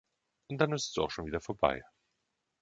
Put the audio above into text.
Und dann ist es auch schon wieder vorbei.